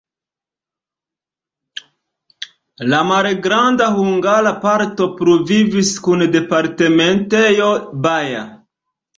La malgranda hungara parto pluvivis kun departementejo Baja.